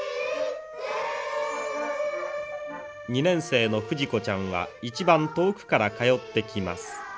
２年生のふじ子ちゃんは一番遠くから通ってきます。